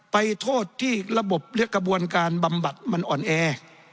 โทษที่ระบบและกระบวนการบำบัดมันอ่อนแอ